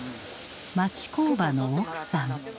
町工場の奥さん。